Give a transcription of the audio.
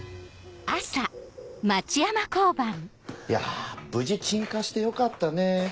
いや無事鎮火してよかったね。